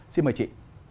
xin mời chị